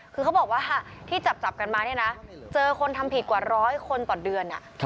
คือเขาบอกว่าที่จับกันมาเนี่ยนะเจอคนทำผิดกว่าร้อยคนต่อเดือน